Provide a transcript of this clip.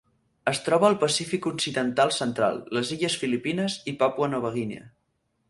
Es troba al Pacífic occidental central: les illes Filipines i Papua Nova Guinea.